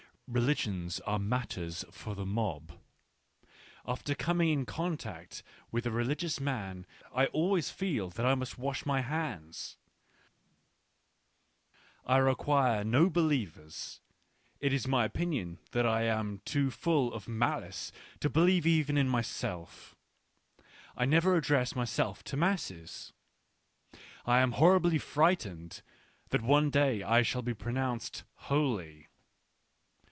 Re ligions are matters for the mob ; after coming in contact with a religious man, I always feel that I must wash my hands. ... ^jrequire no "J ae lievers ," it jg_my_OBJnionJb^ of malice Jo j>elieve^yeoJrL myself ; I ney&LJB3ress m yself to masse s. I am horribly frightened that one day I shall be pronounced " holy."